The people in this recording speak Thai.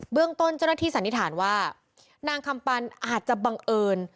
เรื่องต้นเจ้าหน้าที่สันนิษฐานว่านางคำปันอาจจะบังเอิญ